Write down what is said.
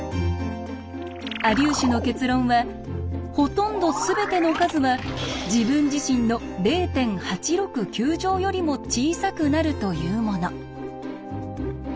アリューシュの結論は「ほとんどすべての数は自分自身の０．８６９乗よりも小さくなる」というもの。